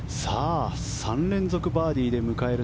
３連続バーディー出迎える